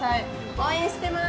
応援してまーす。